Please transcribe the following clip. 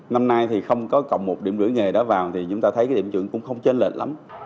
năm nay thì không có cộng một điểm rưỡi nghề đó vào thì chúng ta thấy cái điểm chuẩn cũng không trên lệch lắm